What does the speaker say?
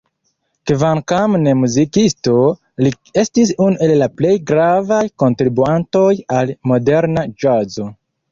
Kvankam ne muzikisto, li estis unu el la plej gravaj kontribuantoj al moderna ĵazo.